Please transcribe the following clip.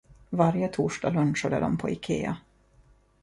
Varje torsdag lunchade de på Ikea.